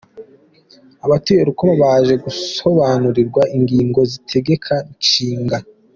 Abatuye Rukoma baje gussobanurirwa ingingo z’itegeko nshinga.